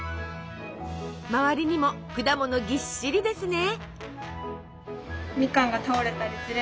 まわりにも果物ぎっしりですね。